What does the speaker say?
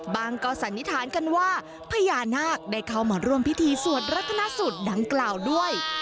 ก็สันนิษฐานกันว่าพญานาคได้เข้ามาร่วมพิธีสวดรัตนสูตรดังกล่าวด้วย